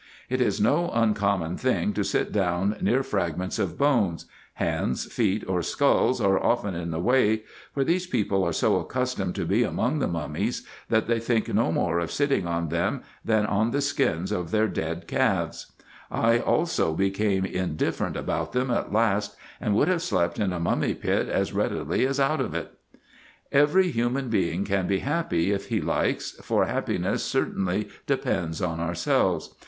It is no uncommon thing to sit down near fragments of bones ; hands, feet, or sculls are often in the way ; for these people are so accustomed to be among the mummies, that they think no more of sitting on them, than on the skins of their dead calves. I 182 RESEARCHES AND OPERATIONS also became indifferent about them at last, and would have slept in a mummy pit as readily as out of it. Every human being can be happy if he likes, for happiness cer tainly depends on ourselves.